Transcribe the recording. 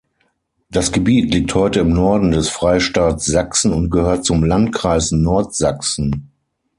Das Gebiet liegt heute im Norden des Freistaats Sachsen und gehört zum Landkreis Nordsachsen.